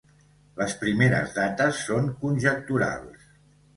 Les primeres dates són conjecturals.